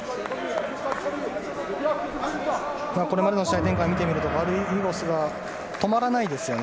これまでの試合展開を見るとガルリゴスが止まらないですね。